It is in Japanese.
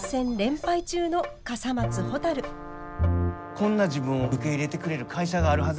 こんな自分を受け入れてくれる会社があるはず